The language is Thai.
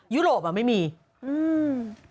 ยุโรปอ่ะไม่มีอืม